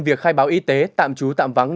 việc khai báo y tế tạm trú tạm vắng